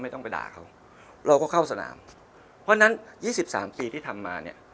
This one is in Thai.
ไม่ต้องไปด่าเขาเราก็เข้าสนามเพราะฉะนั้นยี่สิบสามปีที่ทำมาเนี้ย